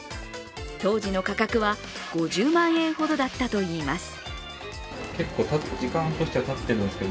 当時の価格は５０万円ほどだったといいます。